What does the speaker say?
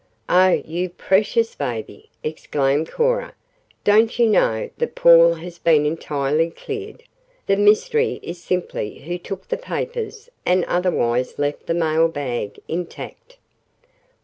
"Oh, you precious baby!" exclaimed Cora. "Don't you know that Paul has been entirely cleared? The mystery is simply who took the papers and otherwise left the mailbag intact?"